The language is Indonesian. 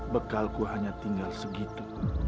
bekalku hanya tinggal segitu